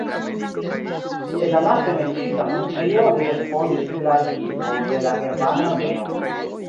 En la laste menciita funkcio li responsis pri la ekipo de la germana armeo.